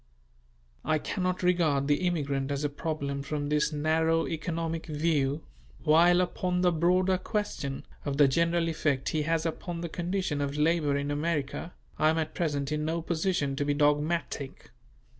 I cannot regard the immigrant as a problem from this narrow economic view: while upon the broader question, of the general effect he has upon the condition of labour in America, I am at present in no position to be dogmatic.